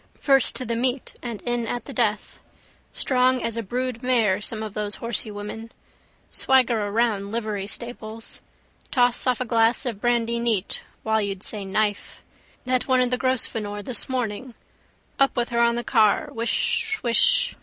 First to the meet and in at the death. Strong as a brood mare some of those horsey women. Swagger around livery stables. Toss off a glass of brandy neat while you'd say knife. That one at the Grosvenor this morning. Up with her on the car: wishswish.